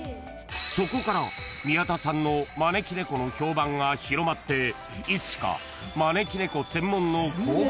［そこから宮田さんの招き猫の評判が広まっていつしか］